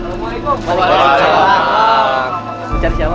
eh apaan sih kalian